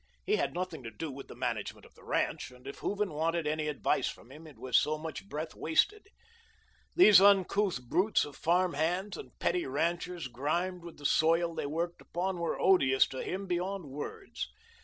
He had nothing to do with the management of the ranch, and if Hooven wanted any advice from him, it was so much breath wasted. These uncouth brutes of farmhands and petty ranchers, grimed with the soil they worked upon, were odious to him beyond words.